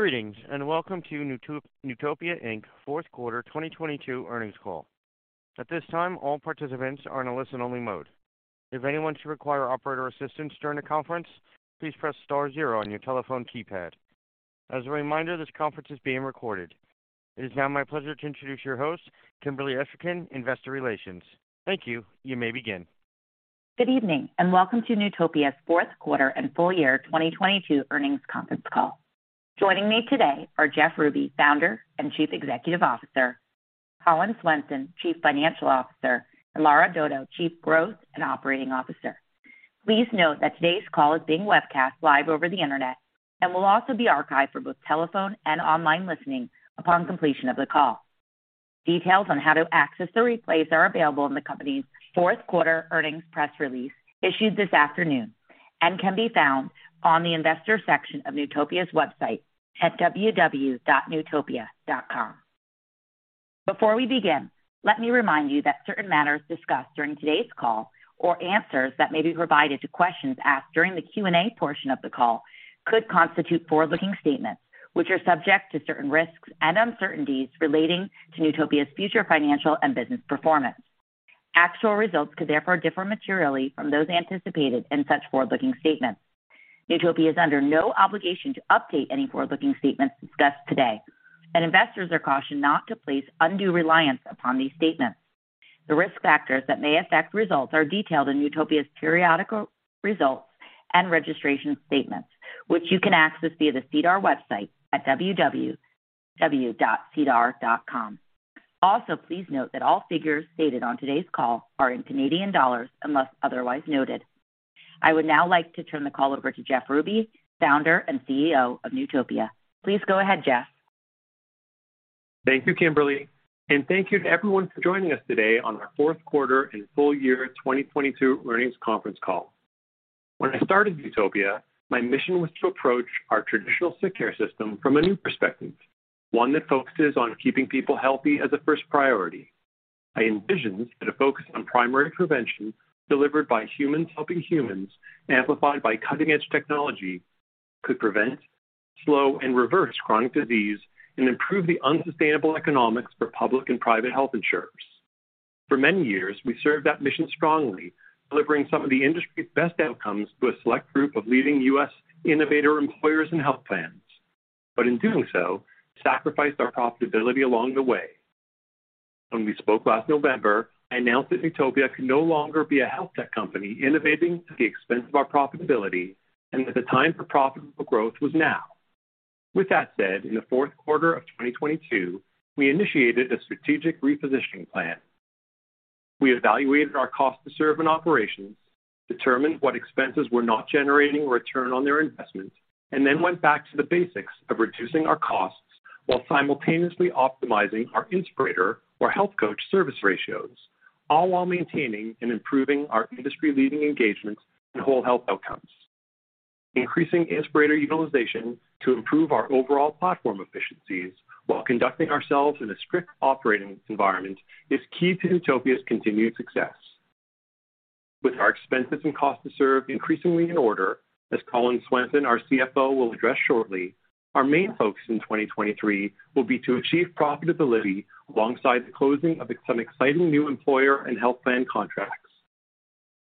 Greetings, welcome to Newtopia Inc. fourth quarter 2022 earnings call. At this time, all participants are in a listen only mode. If anyone should require operator assistance during the conference, please press star 0 on your telephone keypad. As a reminder, this conference is being recorded. It is now my pleasure to introduce your host, Kimberly Esterkin, Investor Relations. Thank you. You may begin. Good evening, and welcome to Newtopia's fourth quarter and full year 2022 earnings conference call. Joining me today are Jeff Ruby, Founder and Chief Executive Officer, Collin Swenson, Chief Financial Officer, and Lara Dodo, Chief Growth and Operating Officer. Please note that today's call is being webcast live over the Internet and will also be archived for both telephone and online listening upon completion of the call. Details on how to access the replays are available in the company's fourth quarter earnings press release issued this afternoon and can be found on the investor section of Newtopia's website at www.newtopia.com. Before we begin, let me remind you that certain matters discussed during today's call or answers that may be provided to questions asked during the Q&A portion of the call could constitute forward-looking statements, which are subject to certain risks and uncertainties relating to Newtopia's future financial and business performance. Actual results could therefore differ materially from those anticipated in such forward-looking statements. Newtopia is under no obligation to update any forward-looking statements discussed today, and investors are cautioned not to place undue reliance upon these statements. The risk factors that may affect results are detailed in Newtopia's periodical results and registration statements, which you can access via the SEDAR website at www.sedar.com. Please note that all figures stated on today's call are in Canadian dollars, unless otherwise noted. I would now like to turn the call over to Jeff Ruby, founder and CEO of Newtopia. Please go ahead, Jeff Ruby. Thank you, Kimberly Esterkin, and thank you to everyone for joining us today on our fourth quarter and full year 2022 earnings conference call. When I started Newtopia, my mission was to approach our traditional sick care system from a new perspective, one that focuses on keeping people healthy as a first priority. I envisioned that a focus on primary prevention delivered by humans helping humans, amplified by cutting-edge technology, could prevent, slow, and reverse chronic disease and improve the unsustainable economics for public and private health insurers. For many years, we served that mission strongly, delivering some of the industry's best outcomes to a select group of leading US innovator employers and health plans. In doing so, sacrificed our profitability along the way. When we spoke last November, I announced that Newtopia could no longer be a health tech company innovating at the expense of our profitability and that the time for profitable growth was now. In the fourth quarter of 2022, we initiated a strategic repositioning plan. We evaluated our cost to serve in operations, determined what expenses were not generating return on their investment, and then went back to the basics of reducing our costs while simultaneously optimizing our Inspirator or health coach service ratios, all while maintaining and improving our industry-leading engagements and whole health outcomes. Increasing Inspirator utilization to improve our overall platform efficiencies while conducting ourselves in a strict operating environment is key to Newtopia's continued success. With our expenses and cost to serve increasingly in order, as Collin Swenson, our CFO, will address shortly, our main focus in 2023 will be to achieve profitability alongside the closing of some exciting new employer and health plan contracts.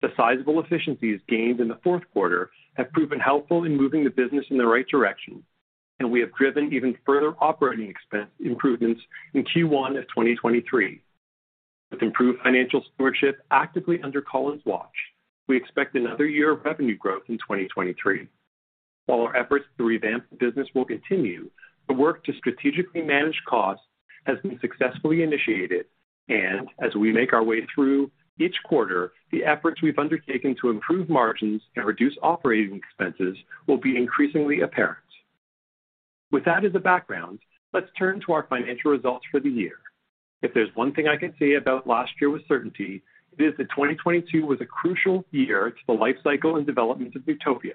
The sizable efficiencies gained in the fourth quarter have proven helpful in moving the business in the right direction. We have driven even further operating improvements in Q1 of 2023. With improved financial stewardship actively under Collin Swenson's watch, we expect another year of revenue growth in 2023. While our efforts to revamp the business will continue, the work to strategically manage costs has been successfully initiated. As we make our way through each quarter, the efforts we've undertaken to improve margins and reduce operating expenses will be increasingly apparent. With that as a background, let's turn to our financial results for the year. If there's one thing I can say about last year with certainty, it is that 2022 was a crucial year to the lifecycle and development of Newtopia.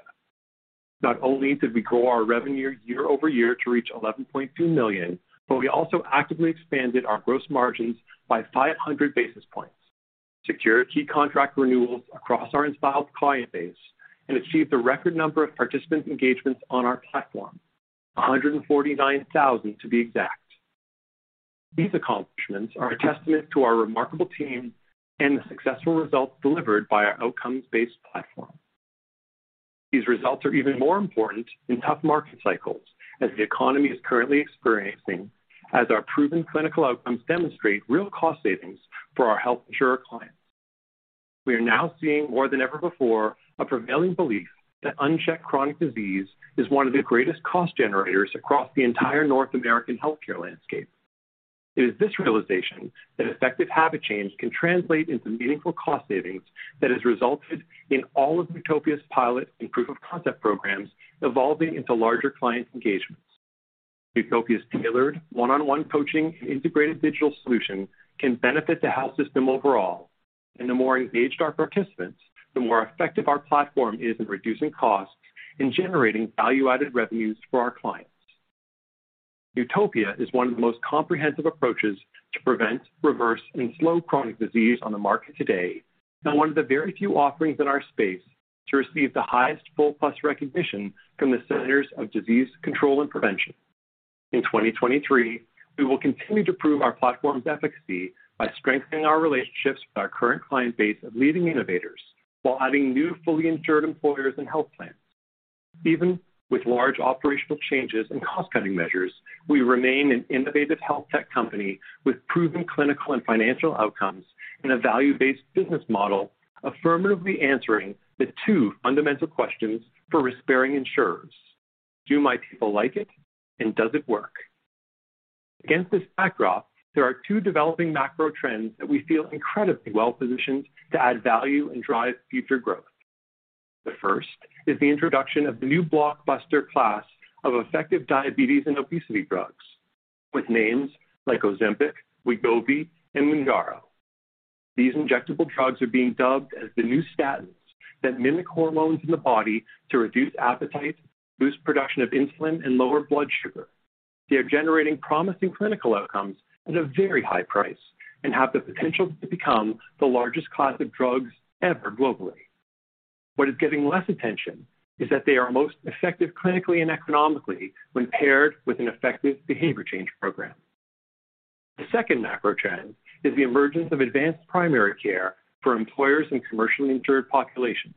We grew our revenue year-over-year to reach 11.2 million, but we also actively expanded our gross margins by 500 basis points, secured key contract renewals across our installed client base, and achieved a record number of participant engagements on our platform, 149,000 to be exact. These accomplishments are a testament to our remarkable team and the successful results delivered by our outcomes-based platform. These results are even more important in tough market cycles, as the economy is currently experiencing, as our proven clinical outcomes demonstrate real cost savings for our health insurer clients. We are now seeing more than ever before a prevailing belief that unchecked chronic disease is one of the greatest cost generators across the entire North American healthcare landscape. It is this realization that effective habit change can translate into meaningful cost savings that has resulted in all of Newtopia's pilot and proof of concept programs evolving into larger client engagements. Newtopia's tailored one-on-one coaching and integrated digital solution can benefit the health system overall. The more engaged our participants, the more effective our platform is in reducing costs and generating value-added revenues for our clients. Newtopia is one of the most comprehensive approaches to prevent, reverse, and slow chronic disease on the market today, and one of the very few offerings in our space to receive the highest Full Plus recognition from the Centers for Disease Control and Prevention. In 2023, we will continue to prove our platform's efficacy by strengthening our relationships with our current client base of leading innovators while adding new fully insured employers and health plans. Even with large operational changes and cost-cutting measures, we remain an innovative health tech company with proven clinical and financial outcomes and a value-based business model affirmatively answering the 2 fundamental questions for risk-bearing insurers: Do my people like it, and does it work? Against this backdrop, there are 2 developing macro trends that we feel incredibly well-positioned to add value and drive future growth. The first is the introduction of the new blockbuster class of effective diabetes and obesity drugs with names like Ozempic, Wegovy, and Mounjaro. These injectable drugs are being dubbed as the new statins that mimic hormones in the body to reduce appetite, boost production of insulin, and lower blood sugar. They are generating promising clinical outcomes at a very high price and have the potential to become the largest class of drugs ever globally. What is getting less attention is that they are most effective clinically and economically when paired with an effective behavior change program. The second macro trend is the emergence of advanced primary care for employers and commercially insured populations.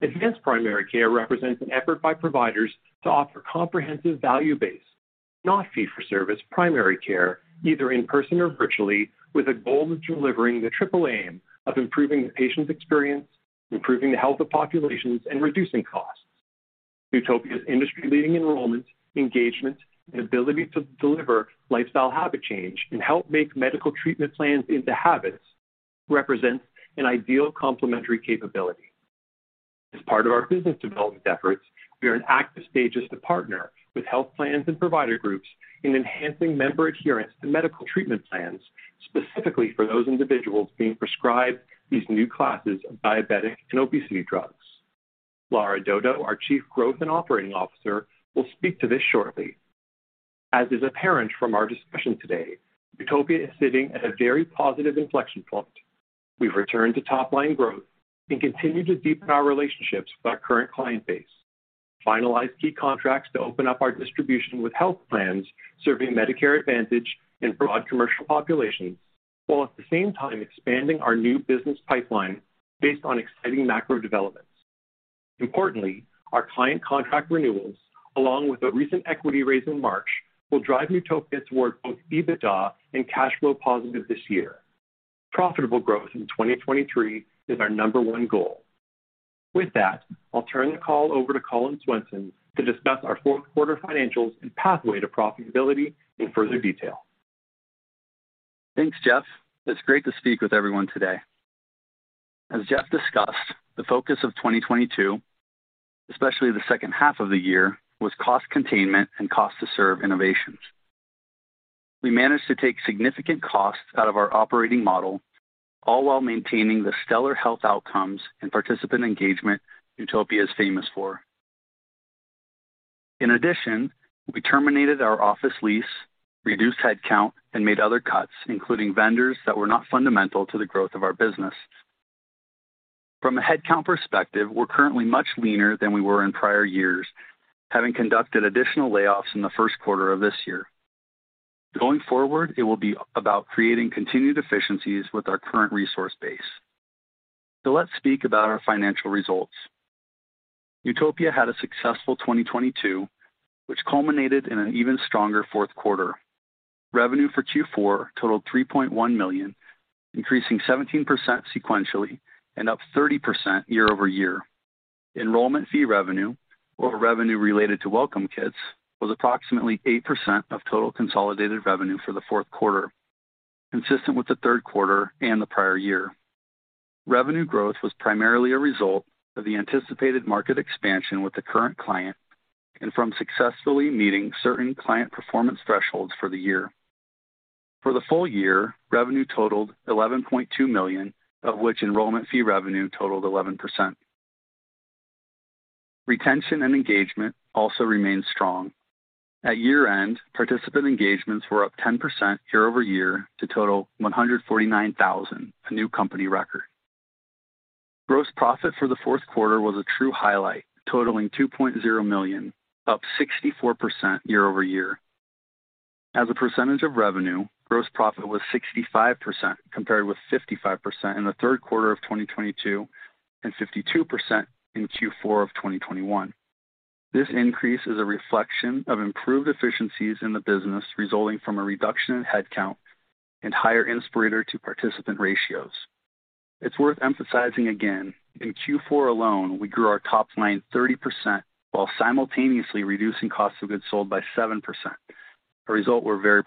Advanced primary care represents an effort by providers to offer comprehensive value base, not fee-for-service primary care, either in person or virtually, with a goal of delivering the triple aim of improving the patient's experience, improving the health of populations, and reducing costs. Newtopia's industry leading enrollment, engagement, and ability to deliver lifestyle habit change and help make medical treatment plans into habits represents an ideal complementary capability. As part of our business development efforts, we are in active stages to partner with health plans and provider groups in enhancing member adherence to medical treatment plans, specifically for those individuals being prescribed these new classes of diabetic and obesity drugs. Lara Dodo, our Chief Growth and Operating Officer, will speak to this shortly. As is apparent from our discussion today, Newtopia is sitting at a very positive inflection point. We've returned to top-line growth and continue to deepen our relationships with our current client base, finalize key contracts to open up our distribution with health plans serving Medicare Advantage in broad commercial populations, while at the same time expanding our new business pipeline based on exciting macro developments. Importantly, our client contract renewals, along with the recent equity raise in March, will drive Newtopia toward both EBITDA and cash flow positive this year. Profitable growth in 2023 is our number 1 goal. With that, I'll turn the call over to Collin Swenson to discuss our fourth quarter financials and pathway to profitability in further detail. Thanks, Jeff Ruby. It's great to speak with everyone today. As Jeff Ruby discussed, the focus of 2022, especially the second half of the year, was cost containment and cost to serve innovations. We managed to take significant costs out of our operating model, all while maintaining the stellar health outcomes and participant engagement Newtopia is famous for. In addition, we terminated our office lease, reduced headcount, and made other cuts, including vendors that were not fundamental to the growth of our business. From a headcount perspective, we're currently much leaner than we were in prior years, having conducted additional layoffs in the first quarter of this year. Going forward, it will be about creating continued efficiencies with our current resource base. Let's speak about our financial results. Newtopia had a successful 2022, which culminated in an even stronger fourth quarter. Revenue for Q4 totaled 3.1 million, increasing 17% sequentially and up 30% year-over-year. Enrollment fee revenue, or revenue related to Welcome Kits, was approximately 8% of total consolidated revenue for the fourth quarter, consistent with the third quarter and the prior year. Revenue growth was primarily a result of the anticipated market expansion with the current client and from successfully meeting certain client performance thresholds for the year. For the full year, revenue totaled 11.2 million, of which enrollment fee revenue totaled 11%. Retention and engagement also remained strong. At year-end, participant engagements were up 10% year-over-year to total 149,000, a new company record. Gross profit for the fourth quarter was a true highlight, totaling 2.0 million, up 64% year-over-year. As a percentage of revenue, gross profit was 65%, compared with 55% in Q3 of 2022 and 52% in Q4 of 2021. This increase is a reflection of improved efficiencies in the business resulting from a reduction in headcount and higher Inspirator to participant ratios. It's worth emphasizing again, in Q4 alone, we grew our top line 30% while simultaneously reducing cost of goods sold by 7%. A result we're very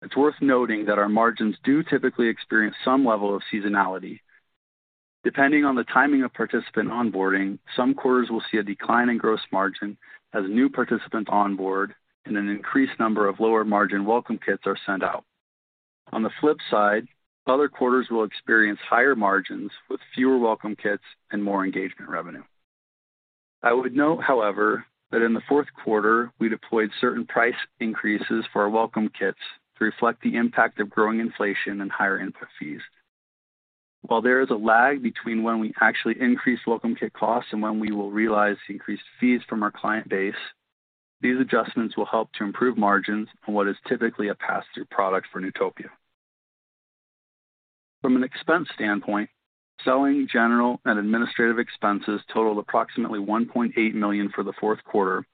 proud of. It's worth noting that our margins do typically experience some level of seasonality. Depending on the timing of participant onboarding, some quarters will see a decline in gross margin as new participants onboard and an increased number of lower margin Welcome Kits are sent out. On the flip side, other quarters will experience higher margins with fewer Welcome Kits and more engagement revenue. I would note, however, that in the fourth quarter we deployed certain price increases for our Welcome Kits to reflect the impact of growing inflation and higher input fees. While there is a lag between when we actually increase Welcome Kit costs and when we will realize increased fees from our client base, these adjustments will help to improve margins on what is typically a pass-through product for Newtopia. From an expense standpoint, selling general and administrative expenses totaled approximately 1.8 million for the fourth quarter,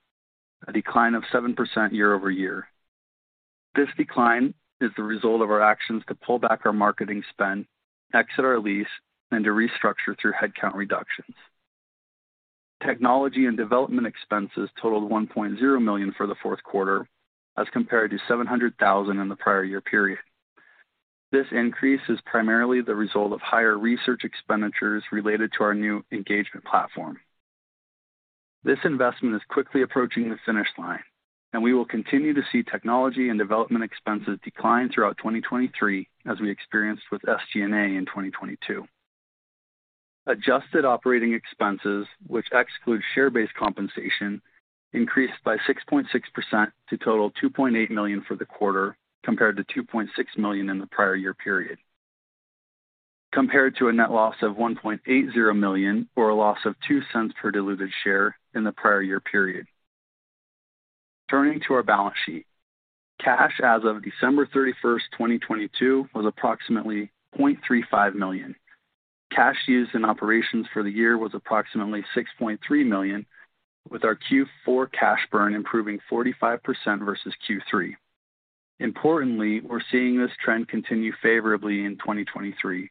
a decline of 7% year-over-year. This decline is the result of our actions to pull back our marketing spend, exit our lease and to restructure through headcount reductions. Technology and development expenses totaled 1.0 million for the fourth quarter as compared to 700,000 in the prior year period. This increase is primarily the result of higher research expenditures related to our new engagement platform. This investment is quickly approaching the finish line. We will continue to see technology and development expenses decline throughout 2023, as we experienced with SG&A in 2022. Adjusted operating expenses, which excludes share-based compensation, increased by 6.6% to total 2.8 million for the quarter, compared to 2.6 million in the prior year period. Compared to a net loss of 1.80 million or a loss of 0.02 per diluted share in the prior year period. Turning to our balance sheet. Cash as of December 31st, 2022, was approximately 0.35 million. Cash use in operations for the year was approximately 6.3 million, with our Q4 cash burn improving 45% versus Q3. Importantly, we're seeing this trend continue favorably in 2023.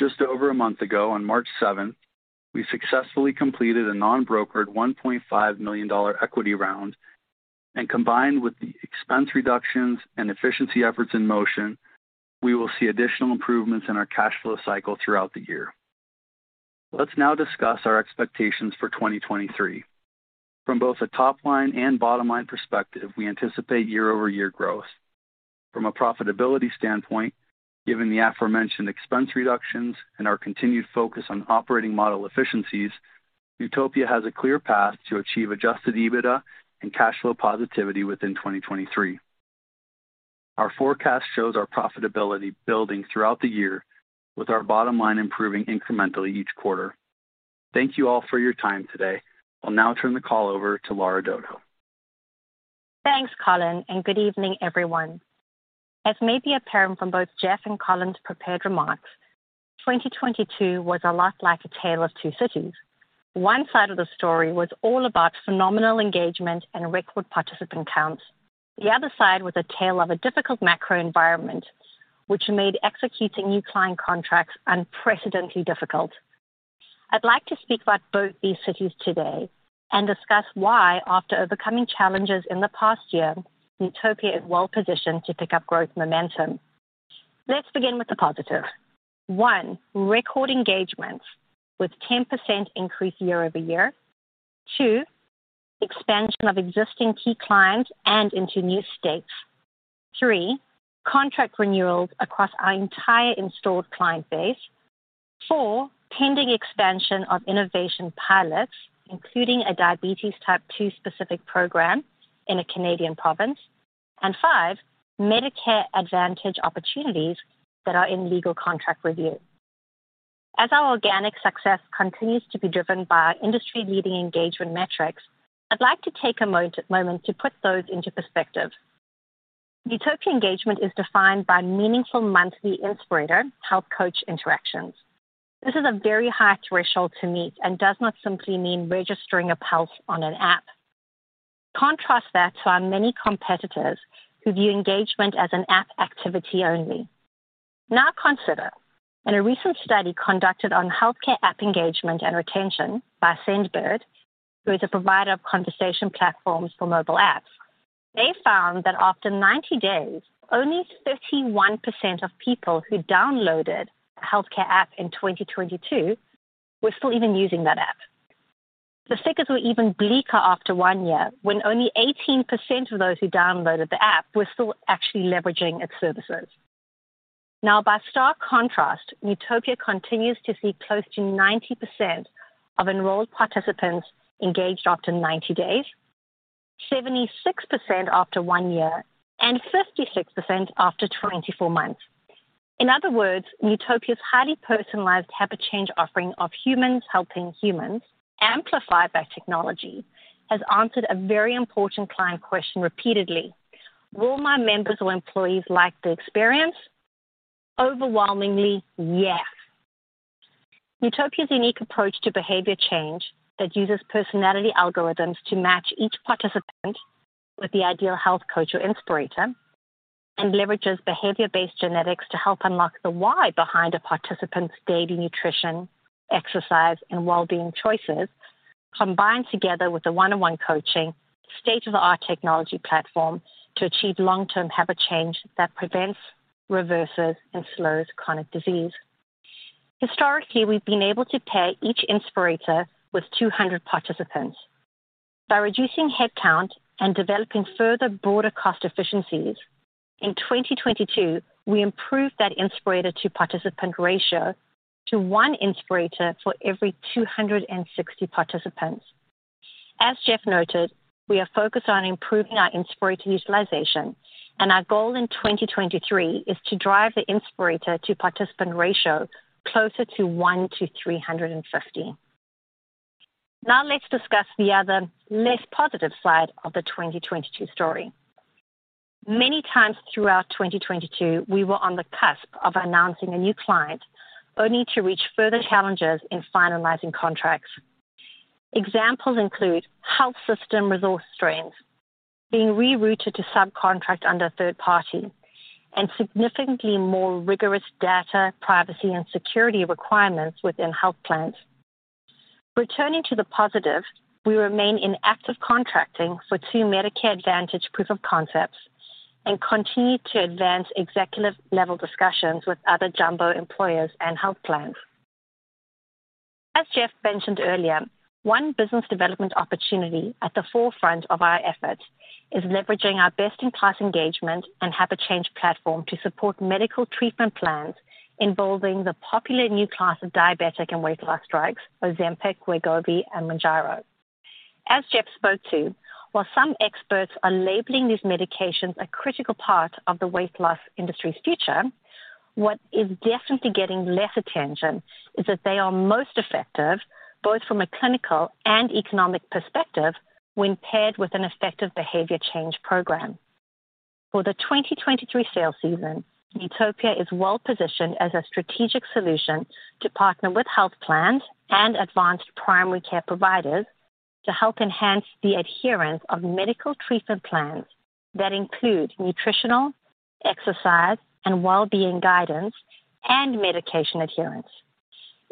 Just over a month ago, on March 7th, we successfully completed a non-brokered 1.5 million dollar equity round. Combined with the expense reductions and efficiency efforts in motion, we will see additional improvements in our cash flow cycle throughout the year. Let's now discuss our expectations for 2023. From both a top-line and bottom-line perspective, we anticipate year-over-year growth. From a profitability standpoint, given the aforementioned expense reductions and our continued focus on operating model efficiencies, Newtopia has a clear path to achieve adjusted EBITDA and cash flow positivity within 2023. Our forecast shows our profitability building throughout the year, with our bottom line improving incrementally each quarter. Thank you all for your time today. I'll now turn the call over to Lara Dodo. Thanks, Collin Swenson, Good evening, everyone. As may be apparent from both Jeff Ruby and Collin Swenson's prepared remarks, 2022 was a lot like A Tale of Two Cities. One side of the story was all about phenomenal engagement and record participant counts. The other side was a tale of a difficult macro environment which made executing new client contracts unprecedentedly difficult. I'd like to speak about both these cities today and discuss why, after overcoming challenges in the past year, Newtopia is well-positioned to pick up growth momentum. Let's begin with the positive. 1, record engagements with 10% increase year-over-year. 2, expansion of existing key clients and into new states. 3, contract renewals across our entire installed client base. 4, pending expansion of innovation pilots, including a diabetes type 2 specific program in a Canadian province. 5, Medicare Advantage opportunities that are in legal contract review. As our organic success continues to be driven by our industry-leading engagement metrics, I'd like to take a moment to put those into perspective. Newtopia engagement is defined by meaningful monthly Inspirator health coach interactions. This is a very high threshold to meet and does not simply mean registering a pulse on an app. Contrast that to our many competitors who view engagement as an app activity only. Consider, in a recent study conducted on healthcare app engagement and retention by Sendbird, who is a provider of conversation platforms for mobile apps, they found that after 90 days, only 31% of people who downloaded a healthcare app in 2022 were still even using that app. The figures were even bleaker after 1 year, when only 18% of those who downloaded the app were still actually leveraging its services. By stark contrast, Newtopia continues to see close to 90% of enrolled participants engaged after 90 days, 76% after 1 year, and 56% after 24 months. In other words, Newtopia's highly personalized habit change offering of humans helping humans amplify by technology, has answered a very important client question repeatedly: Will my members or employees like the experience? Overwhelmingly, yes. Newtopia's unique approach to behavior change that uses personality algorithms to match each participant with the ideal health coach or Inspirator, and leverages behavior-based genetics to help unlock the why behind a participant's daily nutrition, exercise, and well-being choices. Combined together with the one-on-one coaching state-of-the-art technology platform to achieve long-term habit change that prevents, reverses, and slows chronic disease. Historically, we've been able to pair each Inspirator with 200 participants. By reducing head count and developing further broader cost efficiencies, in 2022, we improved that Inspirator to participant ratio to 1 Inspirator for every 260 participants. As Jeff Ruby noted, we are focused on improving our Inspirator utilization, and our goal in 2023 is to drive the Inspirator to participant ratio closer to 1 to 350. Let's discuss the other less positive side of the 2022 story. Many times throughout 2022, we were on the cusp of announcing a new client, only to reach further challenges in finalizing contracts. Examples include health system resource strengths being rerouted to subcontract under third party and significantly more rigorous data privacy and security requirements within health plans. Returning to the positive, we remain in active contracting for 2 Medicare Advantage proof of concepts and continue to advance executive level discussions with other jumbo employers and health plans. As Jeff Ruby mentioned earlier, one business development opportunity at the forefront of our efforts is leveraging our best-in-class engagement and habit change platform to support medical treatment plans involving the popular new class of diabetic and weight loss drugs, Ozempic, Wegovy, and Mounjaro. As Jeff spoke to, while some experts are labeling these medications a critical part of the weight loss industry's future, what is definitely getting less attention is that they are most effective, both from a clinical and economic perspective, when paired with an effective behavior change program. For the 2023 sales season, Newtopia is well positioned as a strategic solution to partner with health plans and advanced primary care providers to help enhance the adherence of medical treatment plans that include nutritional, exercise, and wellbeing guidance and medication adherence.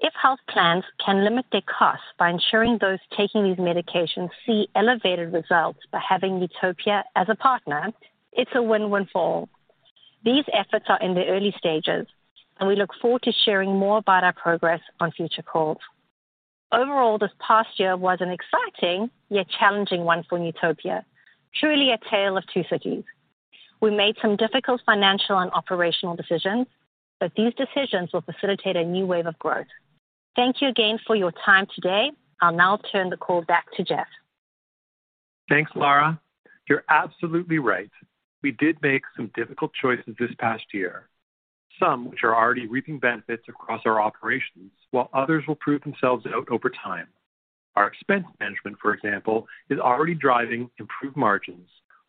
If health plans can limit their costs by ensuring those taking these medications see elevated results by having Newtopia as a partner, it's a win-win for all. These efforts are in the early stages. We look forward to sharing more about our progress on future calls. Overall, this past year was an exciting yet challenging one for Newtopia. Truly A Tale of Two Cities. We made some difficult financial and operational decisions. These decisions will facilitate a new wave of growth. Thank you again for your time today. I'll now turn the call back to Jeff Ruby. Thanks, Lara Dodo. You're absolutely right. We did make some difficult choices this past year, some which are already reaping benefits across our operations, while others will prove themselves out over time. Our expense management, for example, is already driving improved margins,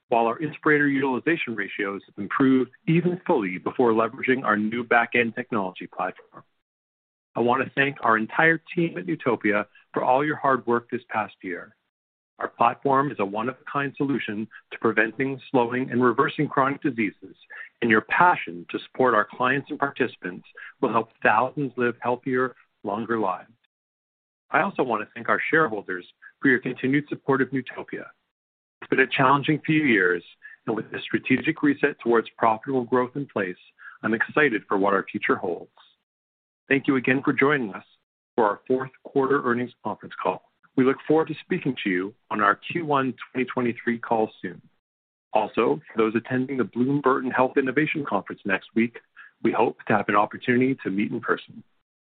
while our Inspirator utilization ratios have improved even fully before leveraging our new back-end technology platform. I want to thank our entire team at Newtopia for all your hard work this past year. Our platform is a one-of-a-kind solution to preventing, slowing, and reversing chronic diseases, and your passion to support our clients and participants will help thousands live healthier, longer lives. I also want to thank our shareholders for your continued support of Newtopia. It's been a challenging few years, and with the strategic reset towards profitable growth in place, I'm excited for what our future holds. Thank you again for joining us for our fourth quarter earnings conference call. We look forward to speaking to you on our Q1 2023 call soon. Those attending the Bloomberg Health Innovation Conference next week, we hope to have an opportunity to meet in person.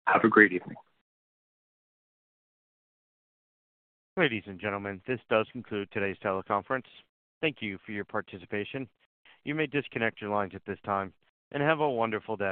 Have a great evening. Ladies and gentlemen, this does conclude today's teleconference. Thank you for your participation. You may disconnect your lines at this time, and have a wonderful day.